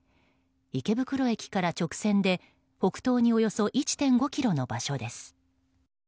池袋駅から直線で北東におよそ１．５ｋｍの場所です。